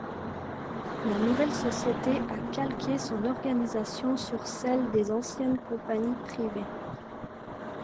La nouvelle société a calqué son organisation sur celle des anciennes compagnies privées.